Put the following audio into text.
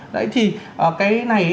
đấy thì cái này